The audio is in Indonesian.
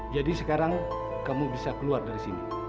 jadi sekarang kamu bisa keluar dari sini